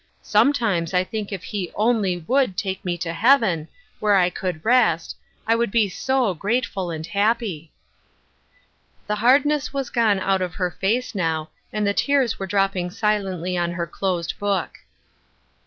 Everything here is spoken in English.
Sometimes I think if He only would take me to heaven, where I could rest, I would be so grateful and happy." The hardness had gone out of her face now, and the tears were dropping silently on her closed book.